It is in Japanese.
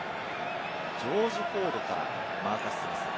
ジョージ・フォードからマーカス・スミス。